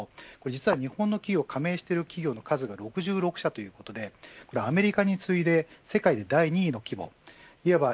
実は日本の企業加盟している数が６６社で、アメリカに次いで世界第２位の規模です。